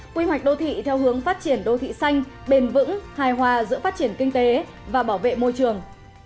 quy hoạch đô thị theo hướng phát triển đô thị xanh bền vững hài hòa giữa phát triển kinh tế và bảo vệ môi trường